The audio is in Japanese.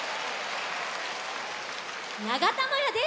ながたまやです。